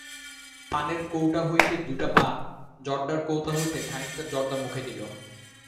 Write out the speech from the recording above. পানের কোটা হইতে দুটা পান, জর্দার কোটা হইতে খানিকটা জর্দা মুখে দিল।